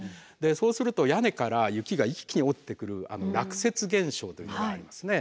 そうすると屋根から雪が一気に落ちてくる落雪現象というのがありますね。